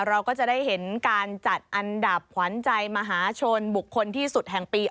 เราก็จะได้เห็นการจัดอันดับขวัญใจมหาชนบุคคลที่สุดแห่งปี